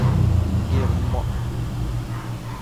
ⴳⵉⵖ ⵎⵎⴰ.